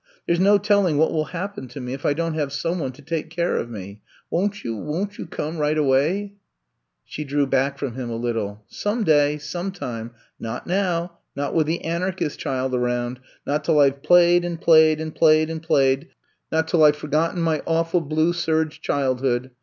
There 's no telling what will happen to me if I don't have some one to take care of me. Won't you, won't you come right awayt" She drew back from him a little. Some day; sometime! Not now, not with the Ajiarchist child around, not till I 've played and played and played and played, not till I 've forgotten my awful 76 I'VE COMB TO STAY blue serge childhood.